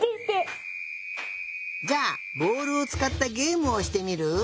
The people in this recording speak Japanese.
じゃあボールをつかったゲームをしてみる？